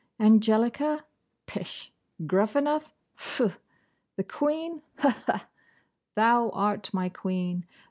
Angelica? Pish! Gruffanuff? Phoo! The Queen? Ha, ha! Thou art my Queen.